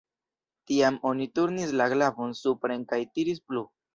Tiam oni turnis la glavon supren kaj tiris plu.